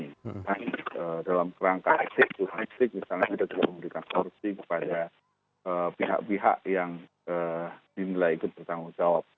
dan dalam rangka eksik eksik misalnya kita juga memberikan kursi kepada pihak pihak yang dimilai ikut bertanggung jawab